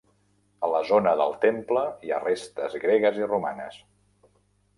A la zona del temple hi ha restes gregues i romanes.